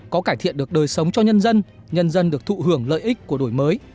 có cải thiện được đời sống cho nhân dân nhân dân được thụ hưởng lợi ích của đổi mới